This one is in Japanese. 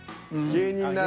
芸人なら。